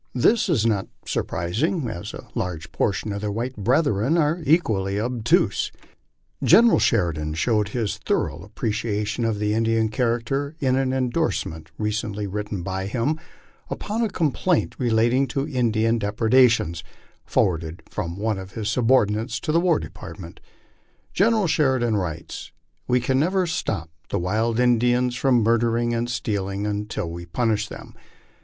This is not surprising, as a large proportion of their white brethren are equally obtuse. Lieutenant General Sheridan showed his thorough appreciation of the Indian character, in an endorsement recently written by him upon a complaint relating to Indian depredations, forwarded from one of his subordinates to the War Depart ment. General Sheridan writes, " We can never stop the wild Indians from murdering and stealing until we punish them.